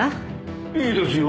いいですよ。